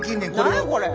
何やこれ！